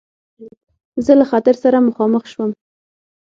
زه له خطر سره مخامخ شوم.